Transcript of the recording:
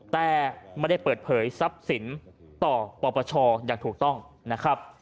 แต่ไม่ได้เปิดเผยทรัพย์สินต่อปปชอย่างถูกต้องนะครับ